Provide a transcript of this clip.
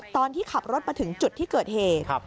ตอนที่ขับรถมาถึงจุดที่เกิดเหตุ